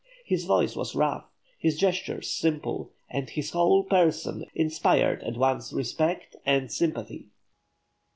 His voice was rough, his gestures simple, and his whole person inspired at once respect and sympathy.